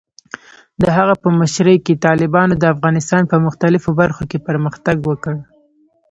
د هغه په مشرۍ کې، طالبانو د افغانستان په مختلفو برخو کې پرمختګ وکړ.